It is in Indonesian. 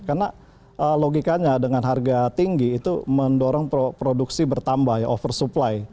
karena logikanya dengan harga tinggi itu mendorong produksi bertambah ya oversupply